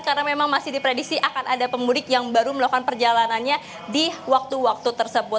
karena memang masih dipredisi akan ada pemurik yang baru melakukan perjalanannya di waktu waktu tersebut